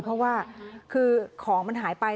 เพราะว่าคือของมันหายไป